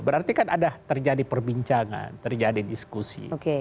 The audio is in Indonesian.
berarti kan ada terjadi perbincangan terjadi diskusi